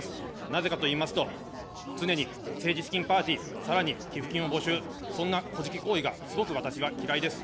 なぜかといいますと、常に政治資金パーティー、さらに寄付金を募集、そんな、こじき行為がすごく私は嫌いです。